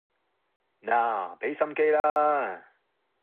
嗱畀心機啦